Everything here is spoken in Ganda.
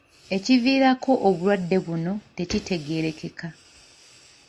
Ekiviirako obulwadde buno tekitegeerekeka